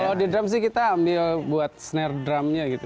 kalau di drum sih kita ambil buat snare drumnya gitu